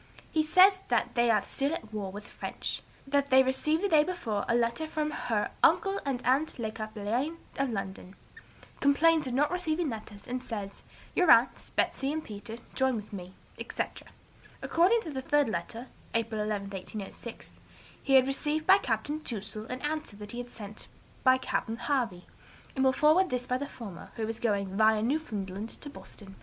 He says that they are still at war with the French; that they received the day before a letter from her 'uncle and aunt Le Cappelain of London;' complains of not receiving letters, and says, 'Your aunts, Betsey and Peter join with me,' etc. According to the third letter (April 11, 1806), he had received by Capt. Touzel an answer to that he sent by Capt. Harvey, and will forward this by the former, who is going via Newfoundland to Boston.